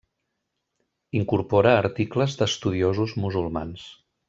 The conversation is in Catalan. Incorpora articles d'estudiosos musulmans.